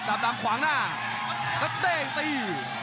ดำดำขวางหน้าแล้วเด้งตี